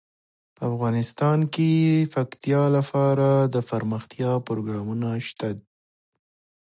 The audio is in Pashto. افغانستان کې د پکتیا لپاره دپرمختیا پروګرامونه شته.